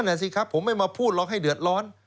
นั่นสิครับผมไม่มาพูดหรอกให้เดือดร้อน